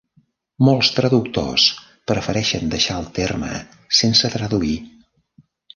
Molts traductors prefereixen deixar el terme sense traduir.